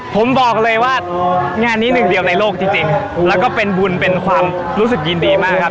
ผมบอกเลยว่างานนี้หนึ่งเดียวในโลกจริงแล้วก็เป็นบุญเป็นความรู้สึกยินดีมากครับ